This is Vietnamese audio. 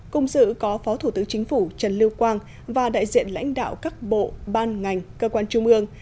cùng dự có phó thủ tướng chính phủ trần lưu quang và đại diện lãnh đạo các bộ ban ngành cơ quan trung ương